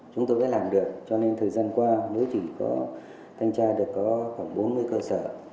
chúng tôi mới làm được cho nên thời gian qua mới chỉ có thanh tra được có khoảng bốn mươi cơ sở